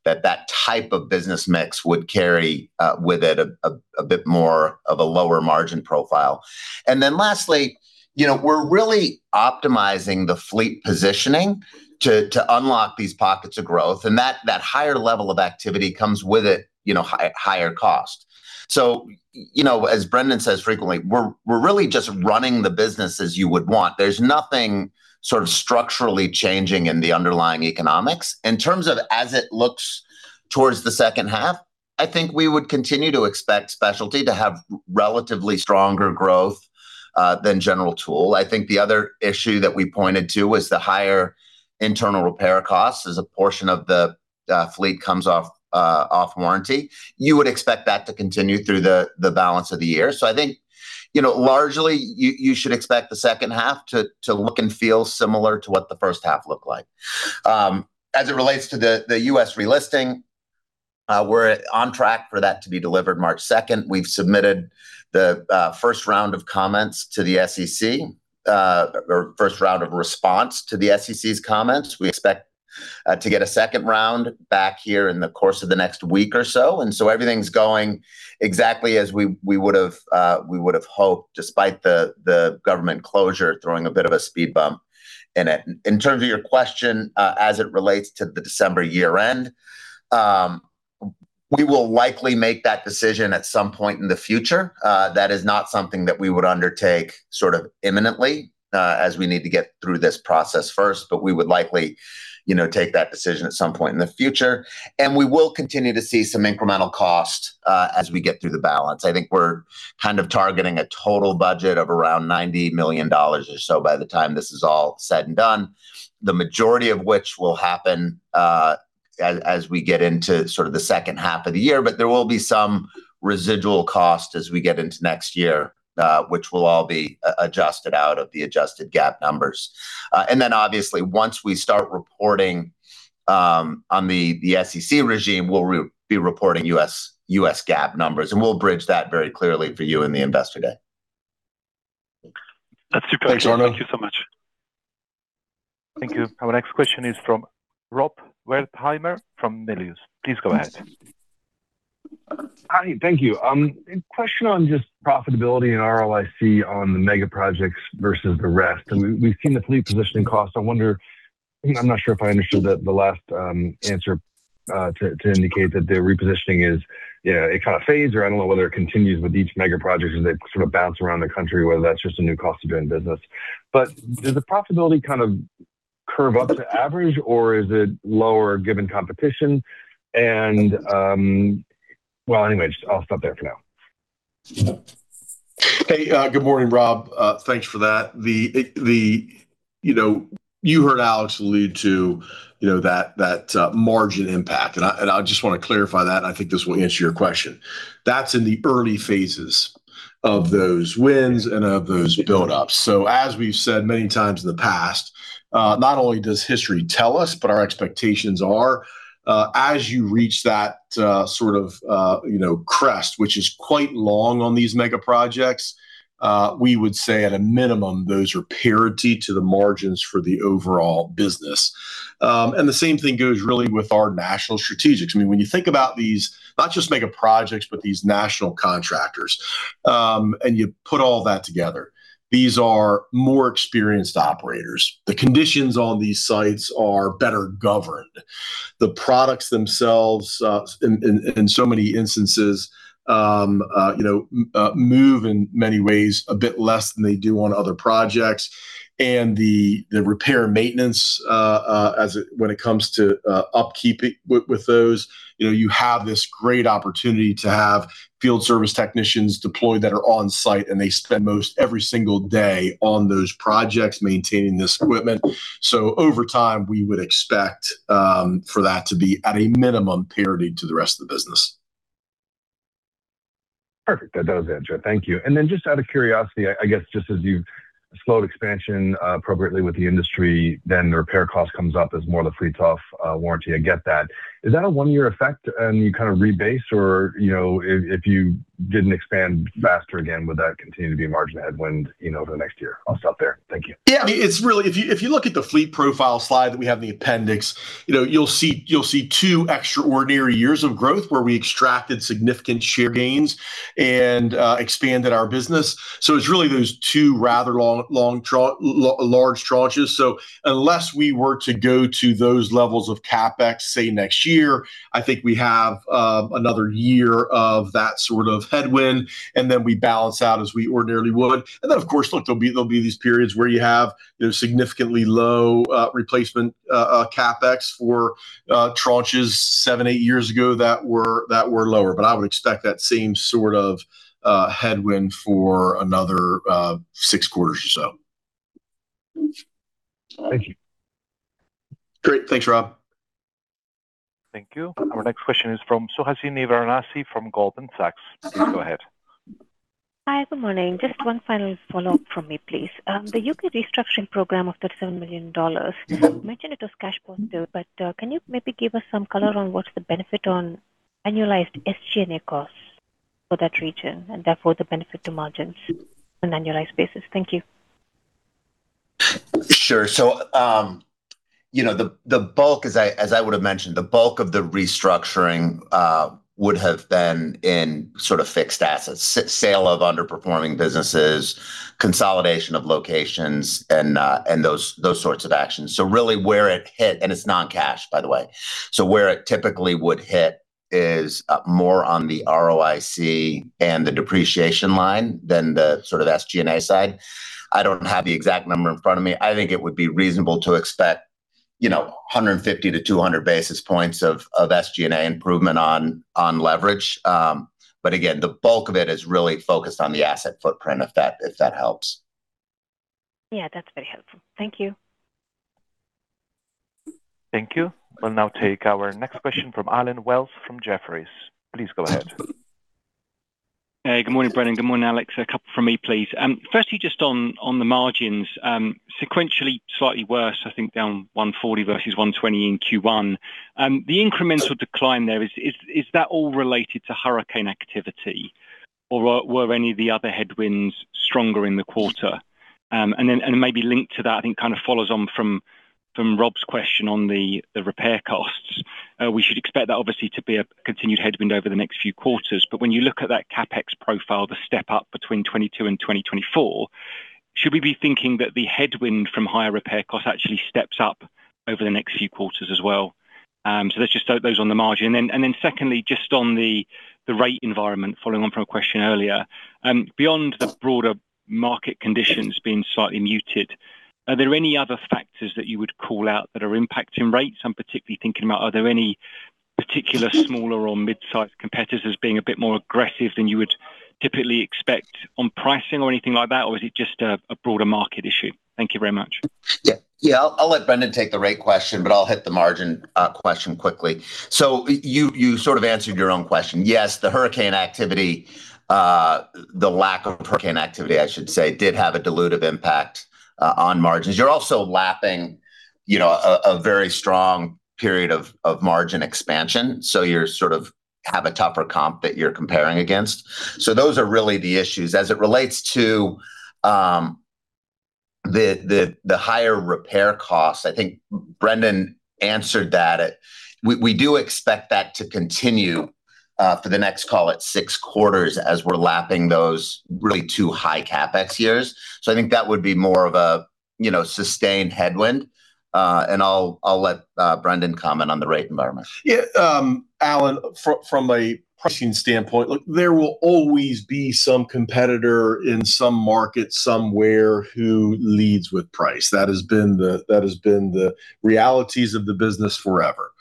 C: that that type of business mix would carry with it a bit more of a lower margin profile, and then lastly, we're really optimizing the fleet positioning to unlock these pockets of growth. That higher level of activity comes with it higher cost. So as Brendan says frequently, we're really just running the business as you would want. There's nothing sort of structurally changing in the underlying economics. In terms of as it looks towards the second half, I think we would continue to expect Specialty to have relatively stronger growth than General Tool. I think the other issue that we pointed to was the higher internal repair costs as a portion of the fleet comes off warranty. You would expect that to continue through the balance of the year. So I think largely you should expect the second half to look and feel similar to what the first half looked like. As it relates to the U.S. relisting, we're on track for that to be delivered March 2nd. We've submitted the first round of comments to the SEC, or first round of response to the SEC's comments. We expect to get a second round back here in the course of the next week or so, and so everything's going exactly as we would have hoped, despite the government closure throwing a bit of a speed bump in it. In terms of your question, as it relates to the December year-end, we will likely make that decision at some point in the future. That is not something that we would undertake sort of imminently as we need to get through this process first, but we would likely take that decision at some point in the future, and we will continue to see some incremental costs as we get through the balance. I think we're kind of targeting a total budget of around $90 million or so by the time this is all said and done, the majority of which will happen as we get into sort of the second half of the year, but there will be some residual cost as we get into next year, which will all be adjusted out of the adjusted GAAP numbers, and then obviously, once we start reporting on the SEC regime, we'll be reporting U.S. GAAP numbers. And we'll bridge that very clearly for you and the investor today.
G: That's super. Thank you so much.
A: Thank you. Our next question is from Rob Wertheimer from Melius. Please go ahead.
H: Hi, thank you. Question on just profitability and ROIC on the megaprojects versus the rest. We've seen the fleet positioning costs. I'm not sure if I understood the last answer to indicate that the repositioning is it kind of fades, or I don't know whether it continues with each megaproject as they sort of bounce around the country, whether that's just a new cost of doing business, but does the profitability kind of curve up to average, or is it lower given competition, and well, anyway, I'll stop there for now.
B: Hey, good morning, Rob. Thanks for that. You heard Alex allude to that margin impact, and I just want to clarify that. I think this will answer your question. That's in the early phases of those wins and of those build-ups. So as we've said many times in the past, not only does history tell us, but our expectations are, as you reach that sort of crest, which is quite long on these megaprojects, we would say at a minimum, those are parity to the margins for the overall business. And the same thing goes really with our national strategics. I mean, when you think about these, not just megaproject, but these national contractors, and you put all that together, these are more experienced operators. The conditions on these sites are better governed. The products themselves, in so many instances, move in many ways a bit less than they do on other projects. And the repair maintenance, when it comes to upkeep with those, you have this great opportunity to have field service technicians deployed that are on site, and they spend most every single day on those projects maintaining this equipment. So over time, we would expect for that to be at a minimum parity to the rest of the business.
H: Perfect. That does answer it. Thank you. And then just out of curiosity, I guess just as you slowed expansion appropriately with the industry, then the repair cost comes up as more of the fleet's off warranty. I get that. Is that a one-year effect and you kind of rebase, or if you didn't expand faster again, would that continue to be a margin headwind for the next year? I'll stop there.
C: Thank you. Yeah. If you look at the fleet profile slide that we have in the appendix, you'll see two extraordinary years of growth where we extracted significant share gains and expanded our business. So it's really those two rather long, large tranches. So unless we were to go to those levels of CapEx, say next year, I think we have another year of that sort of headwind, and then we balance out as we ordinarily would. And then, of course, look, there'll be these periods where you have significantly low replacement CapEx for tranches seven, eight years ago that were lower. But I would expect that same sort of headwind for another six quarters or so.
H: Thank you. Great.
C: Thanks, Rob.
A: Thank you. Our next question is from Suhasini Varanasi from Goldman Sachs. Please go ahead.
I: Hi. Good morning. Just one final follow-up from me, please. The U.K. restructuring program of the $7 million, you mentioned it was cash positive, but can you maybe give us some color on what's the benefit on annualized SG&A costs for that region and therefore the benefit to margins on an annualized basis? Thank you.
B: Sure. So the bulk, as I would have mentioned, the bulk of the restructuring would have been in sort of fixed assets, sale of underperforming businesses, consolidation of locations, and those sorts of actions. So really where it hit, and it's non-cash, by the way. So where it typically would hit is more on the ROIC and the depreciation line than the sort of SG&A side. I don't have the exact number in front of me. I think it would be reasonable to expect 150 to 200 basis points of SG&A improvement on leverage. But again, the bulk of it is really focused on the asset footprint, if that helps.
I: Yeah, that's very helpful. Thank you.
A: Thank you. We'll now take our next question from Allen Wells from Jefferies. Please go ahead.
J: Hey, good morning, Brendan. Good morning, Alex. A couple from me, please. Firstly, just on the margins, sequentially slightly worse, I think down 140 versus 120 in Q1. The incremental decline there, is that all related to hurricane activity, or were any of the other headwinds stronger in the quarter? And maybe linked to that, I think kind of follows on from Rob's question on the repair costs. We should expect that, obviously, to be a continued headwind over the next few quarters. But when you look at that CapEx profile, the step up between 2022 and 2024, should we be thinking that the headwind from higher repair costs actually steps up over the next few quarters as well? So let's just start those on the margin. And then secondly, just on the rate environment, following on from a question earlier, beyond the broader market conditions being slightly muted, are there any other factors that you would call out that are impacting rates? I'm particularly thinking about, are there any particular smaller or mid-sized competitors being a bit more aggressive than you would typically expect on pricing or anything like that, or is it just a broader market issue? Thank you very much. Yeah.
C: Yeah, I'll let Brendan take the rate question, but I'll hit the margin question quickly. So you sort of answered your own question. Yes, the hurricane activity, the lack of hurricane activity, I should say, did have a dilutive impact on margins. You're also lapping a very strong period of margin expansion. So you sort of have a tougher comp that you're comparing against. So those are really the issues. As it relates to the higher repair costs, I think Brendan answered that. We do expect that to continue for the next, call it, six quarters as we're lapping those really two high CapEx years. So I think that would be more of a sustained headwind. And I'll let Brendan comment on the rate environment.
B: Yeah. Allen, from a pricing standpoint, look, there will always be some competitor in some market somewhere who leads with price. That has been the realities of the business forever.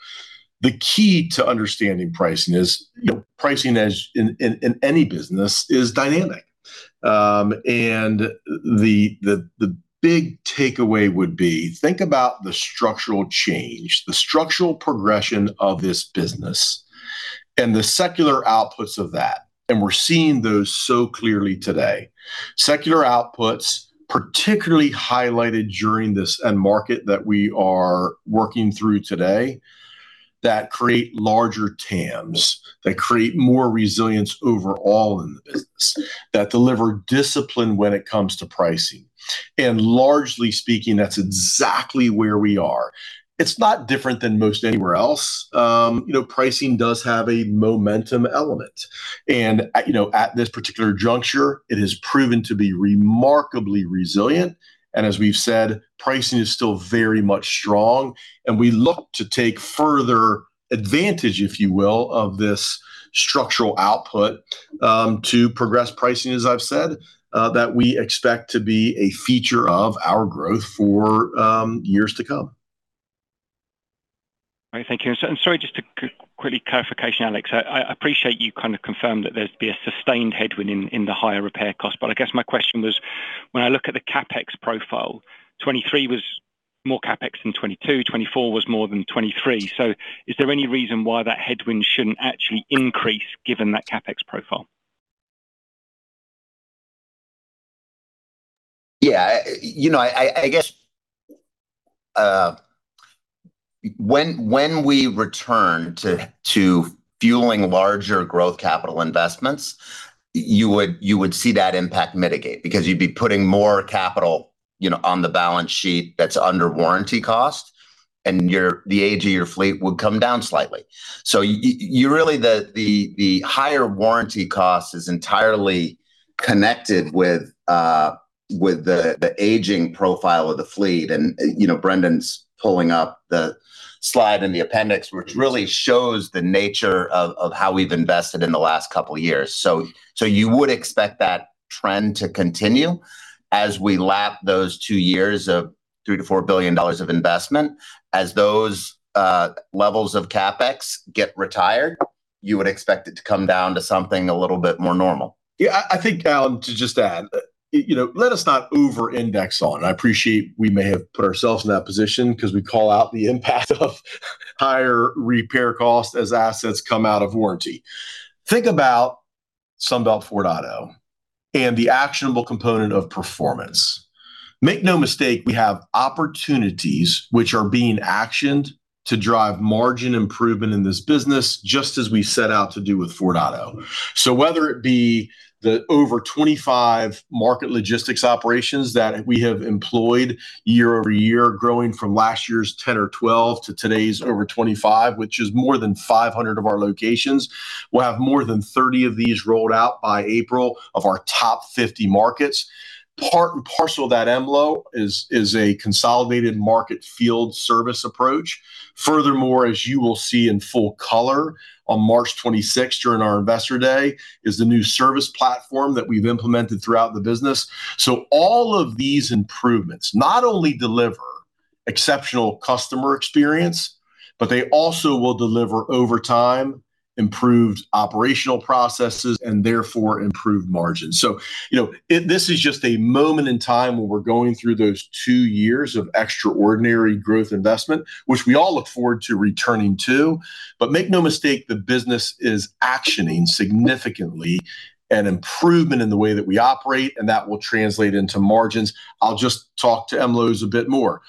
B: The key to understanding pricing is pricing, as in any business, is dynamic. And the big takeaway would be, think about the structural change, the structural progression of this business, and the secular outputs of that. And we're seeing those so clearly today. Secular outputs, particularly highlighted during this market that we are working through today, that create larger TAMs, that create more resilience overall in the business, that deliver discipline when it comes to pricing. And largely speaking, that's exactly where we are. It's not different than most anywhere else. Pricing does have a momentum element. And at this particular juncture, it has proven to be remarkably resilient. And as we've said, pricing is still very much strong. And we look to take further advantage, if you will, of this structural output to progress pricing, as I've said, that we expect to be a feature of our growth for years to come.
J: All right. Thank you. Sorry, just a quick clarification, Alex. I appreciate you kind of confirmed that there's to be a sustained headwind in the higher repair costs. But I guess my question was, when I look at the CapEx profile, 2023 was more CapEx than 2022, 2024 was more than 2023. So is there any reason why that headwind shouldn't actually increase given that CapEx profile?
C: Yeah. I guess when we return to fueling larger growth capital investments, you would see that impact mitigate because you'd be putting more capital on the balance sheet that's under warranty cost, and the age of your fleet would come down slightly. So really, the higher warranty cost is entirely connected with the aging profile of the fleet. Brendan's pulling up the slide in the appendix, which really shows the nature of how we've invested in the last couple of years. You would expect that trend to continue as we lap those two years of $3-$4 billion of investment. As those levels of CapEx get retired, you would expect it to come down to something a little bit more normal.
B: Yeah. I think, Allen, to just add, let us not over-index on. I appreciate we may have put ourselves in that position because we call out the impact of higher repair costs as assets come out of warranty. Think about Sunbelt 4.0 and the actionable component of performance. Make no mistake, we have opportunities which are being actioned to drive margin improvement in this business just as we set out to do with 4.0. So whether it be the over 25 Market Logistics Operations that we have employed year over year, growing from last year's 10 or 12 to today's over 25, which is more than 500 of our locations, we'll have more than 30 of these rolled out by April of our top 50 markets. Part and parcel of that MLO is a consolidated market field service approach. Furthermore, as you will see in full color on March 26th during our Investor Day, is the new service platform that we've implemented throughout the business. So all of these improvements not only deliver exceptional customer experience, but they also will deliver over time improved operational processes and therefore improved margins. So this is just a moment in time where we're going through those two years of extraordinary growth investment, which we all look forward to returning to. But make no mistake, the business is actioning significantly an improvement in the way that we operate, and that will translate into margins. I'll just talk to MLOs a bit more.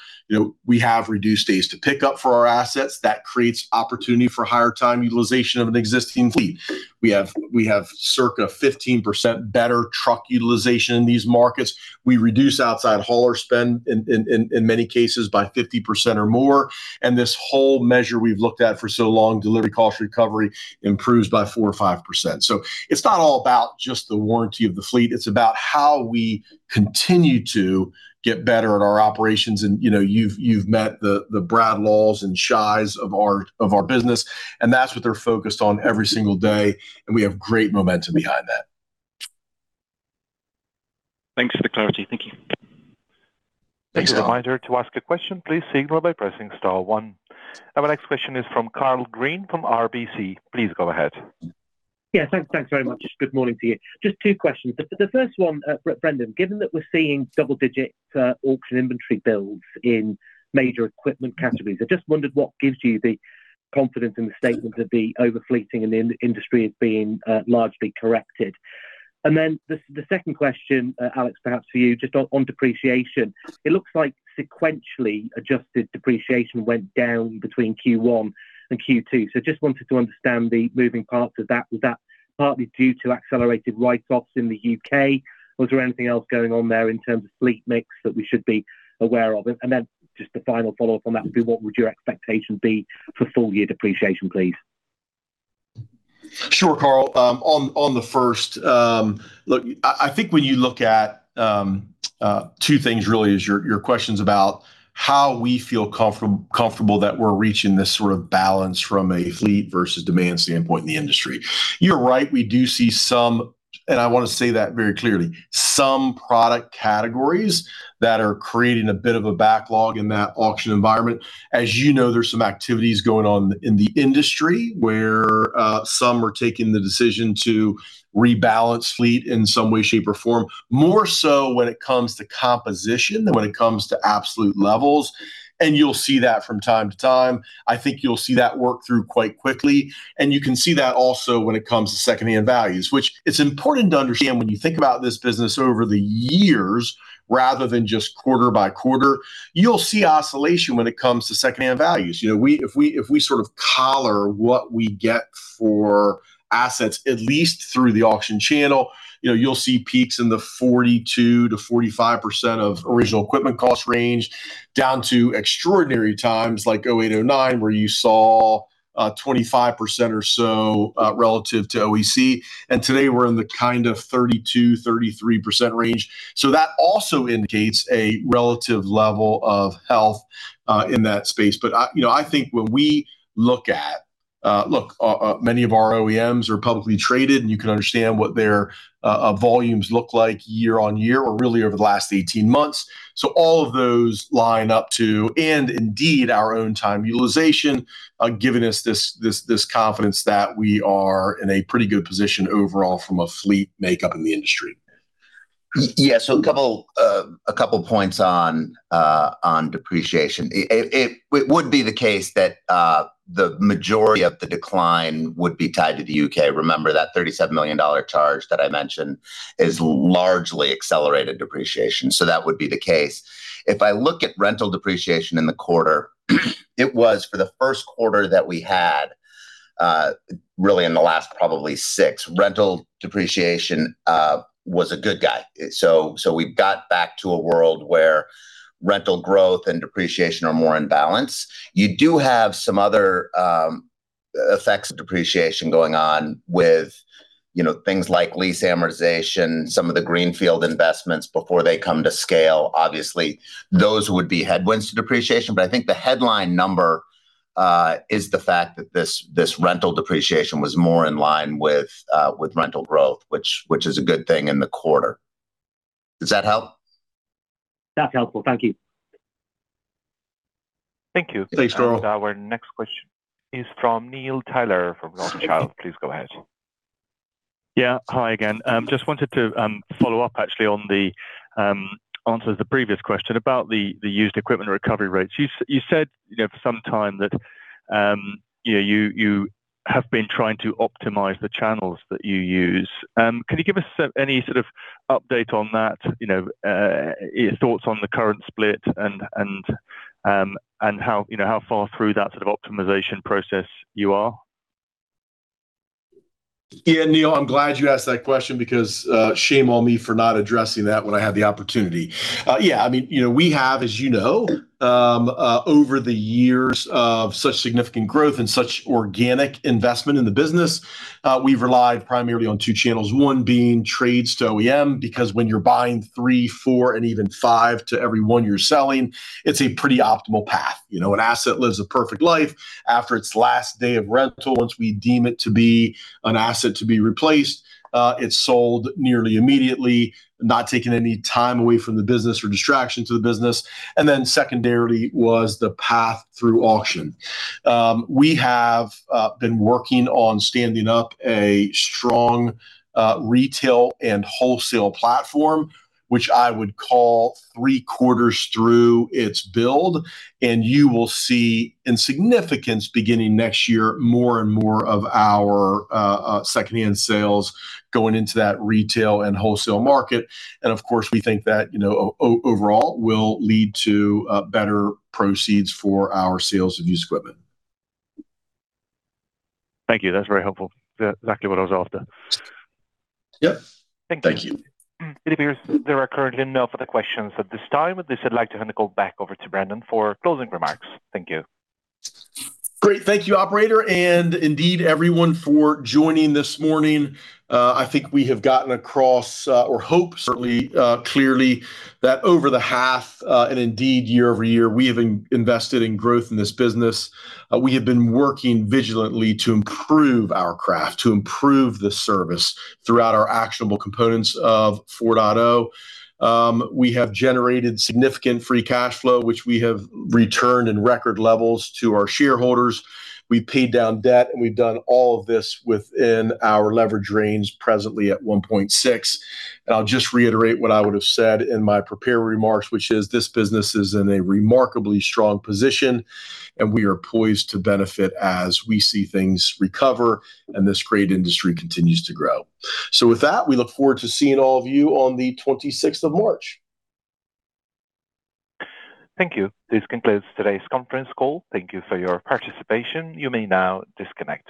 B: We have reduced days to pick up for our assets. That creates opportunity for higher-time utilization of an existing fleet. We have circa 15% better truck utilization in these markets. We reduce outside hauler spend in many cases by 50% or more. And this whole measure we've looked at for so long, Delivery Cost Recovery, improves by 4% or 5%. So it's not all about just the warranty of the fleet. It's about how we continue to get better at our operations. And you've met the Brad Laws and Shai of our business. And that's what they're focused on every single day. And we have great momentum behind that.
J: Thanks for the clarity. Thank you.
B: Thanks for the reminder.
A: To ask a question, please signal by pressing star one. Our next question is from Karl Green from RBC. Please go ahead.
K: Yeah. Thanks very much. Good morning to you. Just two questions. The first one, Brendan, given that we're seeing double-digit auction inventory builds in major equipment categories, I just wondered what gives you the confidence in the statement of the overfleeting and the industry as being largely corrected. And then the second question, Alex, perhaps for you, just on depreciation. It looks like sequentially adjusted depreciation went down between Q1 and Q2. So just wanted to understand the moving parts of that. Was that partly due to accelerated write-offs in the U.K., or is there anything else going on there in terms of fleet mix that we should be aware of? Then just the final follow-up on that would be, what would your expectation be for full-year depreciation, please?
B: Sure, Karl. On the first, look, I think when you look at two things, really, is your questions about how we feel comfortable that we're reaching this sort of balance from a fleet versus demand standpoint in the industry. You're right. We do see some, and I want to say that very clearly, some product categories that are creating a bit of a backlog in that auction environment. As you know, there's some activities going on in the industry where some are taking the decision to rebalance fleet in some way, shape, or form, more so when it comes to composition than when it comes to absolute levels. And you'll see that from time to time. I think you'll see that work through quite quickly. You can see that also when it comes to secondhand values, which it's important to understand when you think about this business over the years rather than just quarter by quarter. You'll see oscillation when it comes to secondhand values. If we sort of color what we get for assets, at least through the auction channel, you'll see peaks in the 42%-45% of original equipment cost range down to extraordinary times like 2008/2009, where you saw 25% or so relative to OEC. Today, we're in the kind of 32%-33% range. That also indicates a relative level of health in that space. I think when we look at many of our OEMs are publicly traded, and you can understand what their volumes look like year on year or really over the last 18 months. So all of those line up to, and indeed, our own time utilization, giving us this confidence that we are in a pretty good position overall from a fleet makeup in the industry. Yeah. So a couple points on depreciation. It would be the case that the majority of the decline would be tied to the U.K. Remember that $37 million charge that I mentioned is largely accelerated depreciation. So that would be the case. If I look at rental depreciation in the quarter, it was for the first quarter that we had, really in the last probably six, rental depreciation was a good guy. So we've got back to a world where rental growth and depreciation are more in balance. You do have some other effects of depreciation going on with things like lease amortization, some of the greenfield investments before they come to scale. Obviously, those would be headwinds to depreciation. But I think the headline number is the fact that this rental depreciation was more in line with rental growth, which is a good thing in the quarter. Does that help?
K: That's helpful. Thank you.
C: Thank you.
B: Thanks, Karl.
A: Our next question is from Neil Tyler from Rothschild. Please go ahead.
F: Yeah. Hi again. Just wanted to follow up, actually, on the answer to the previous question about the used equipment recovery rates. You said for some time that you have been trying to optimize the channels that you use. Can you give us any sort of update on that, your thoughts on the current split and how far through that sort of optimization process you are?
B: Yeah. Neil, I'm glad you asked that question because shame on me for not addressing that when I had the opportunity. Yeah. I mean, we have, as you know, over the years of such significant growth and such organic investment in the business, we've relied primarily on two channels, one being trades to OEM because when you're buying three, four, and even five to every one you're selling, it's a pretty optimal path. An asset lives a perfect life after its last day of rental once we deem it to be an asset to be replaced. It's sold nearly immediately, not taking any time away from the business or distraction to the business. And then secondarily was the path through auction. We have been working on standing up a strong retail and wholesale platform, which I would call three quarters through its build. And you will see in significance beginning next year more and more of our secondhand sales going into that retail and wholesale market. And of course, we think that overall will lead to better proceeds for our sales of used equipment.
F: Thank you. That's very helpful. Exactly what I was after.
B: Yep. Thank you.
A: Thank you. It appears there are currently no further questions at this time. With this, I'd like to hand the call back over to Brendan for closing remarks. Thank you.
B: Great. Thank you, operator. And indeed, everyone, for joining this morning. I think we have gotten across, or hope certainly clearly, that over the half and indeed year over year, we have invested in growth in this business. We have been working vigilantly to improve our craft, to improve the service throughout our actionable components of 4.0. We have generated significant free cash flow, which we have returned in record levels to our shareholders. We've paid down debt, and we've done all of this within our leverage range presently at 1.6, and I'll just reiterate what I would have said in my prepared remarks, which is this business is in a remarkably strong position, and we are poised to benefit as we see things recover and this great industry continues to grow, so with that, we look forward to seeing all of you on the 26th of March.
A: Thank you. This concludes today's conference call. Thank you for your participation. You may now disconnect.